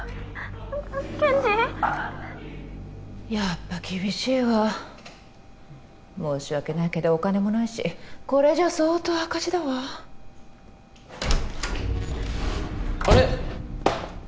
やっぱ厳しいわ申し訳ないけどお金もないしこれじゃ相当赤字だわあれ？